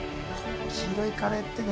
黄色いカレーってね